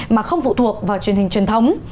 mà không phụ thuộc vào truyền hình truyền thống